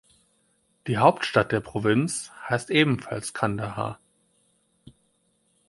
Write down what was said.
Die Hauptstadt der Provinz heißt ebenfalls Kandahar.